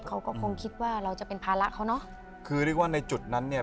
เขาก็คงคิดว่าเราจะเป็นภาระเขาเนอะคือเรียกว่าในจุดนั้นเนี่ย